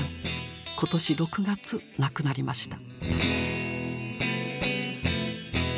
今年６月亡くなりました。